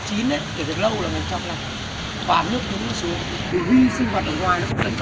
vì huy sinh vật ở ngoài nó không đánh tốc được